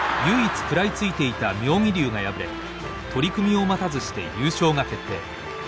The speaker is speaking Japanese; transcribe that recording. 唯一食らいついていた妙義龍が敗れ取組を待たずして優勝が決定。